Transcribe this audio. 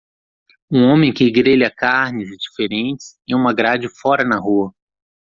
Um homem que grelha carnes diferentes em uma grade fora na rua.